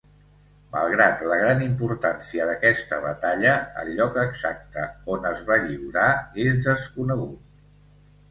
Malgrat la gran importància d'aquesta batalla, el lloc exacte on es va lliurar és desconegut.